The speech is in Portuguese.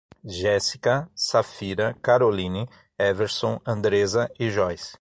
Jéssica, Safira, Caroline, Everson, Andreza e Joyce